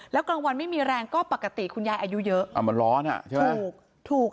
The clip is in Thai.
แล้วกลางวันไม่มีแรงก็ปกติคุณยายอายุเยอะมันร้อนอ่ะใช่ไหม